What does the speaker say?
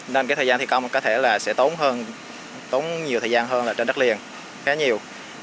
nên thời gian thi công có thể sẽ tốn nhiều thời gian hơn trên đất liền khá nhiều